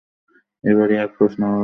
এইবার এয়ারফোর্সে না হলে এস্ট্রোনট হবে?